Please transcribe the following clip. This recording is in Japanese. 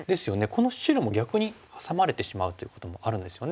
この白も逆にハサまれてしまうということもあるんですよね。